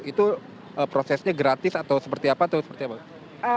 itu prosesnya gratis atau seperti apa tuh